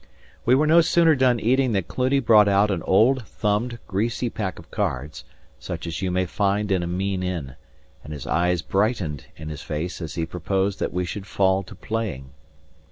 We were no sooner done eating than Cluny brought out an old, thumbed, greasy pack of cards, such as you may find in a mean inn; and his eyes brightened in his face as he proposed that we should fall to playing.